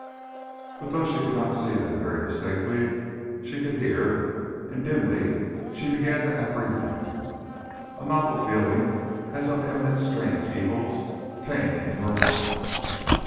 But though she could not see them very distinctly she could hear, and dimly she began to apprehend. A novel feeling as of imminent strange evils came into her heart.